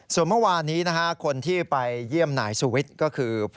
ส่วนเมื่อวานนี้คนที่ไปเยี่ยมนายสุวิทย์ก็คือ